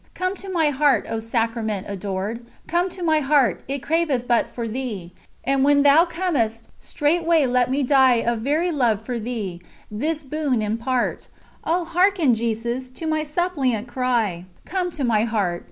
Come to my heart, O Sacrament adored! Come to my heart ... it craveth but for Thee! And when Thou comest, straightway let me die Of very love for Thee; this boon impart! Oh, hearken Jesus, to my suppliant cry: Come to my heart!